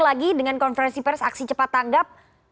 lagi dengan konferensi pers aksi cepat tanggap